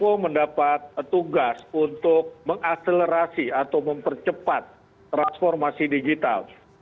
kompol mendapat tugas untuk mengakselerasi atau mempercepat transformasi digital